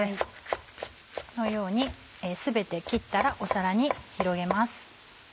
このように全て切ったら皿に広げます。